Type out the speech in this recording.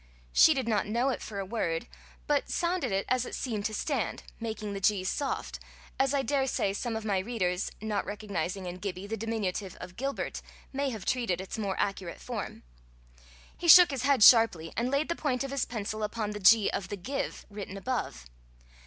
She did not know it for a word, but sounded it as it seemed to stand, making the g soft, as I daresay some of my readers, not recognizing in Gibbie the diminutive of Gilbert, may have treated its more accurate form. He shook his head sharply, and laid the point of his pencil upon the g of the give written above.